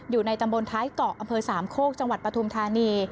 อยู่ในตำบลท้ายเกาะอำเภอสามโคกจังหวัดปฐุมธานี